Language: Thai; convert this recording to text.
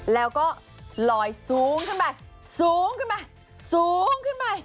แล้วก็ลอยก็สูงขึ้นไป